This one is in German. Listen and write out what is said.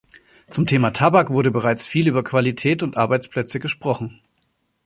Zum Thema Tabak wurde bereits viel über Qualität und Arbeitsplätze gesprochen.